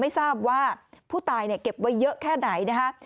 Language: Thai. ไม่ทราบว่าผู้ตายเนี่ยเก็บไว้เยอะแค่ไหนนะคะ